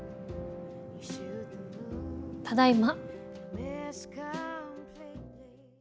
ただいま。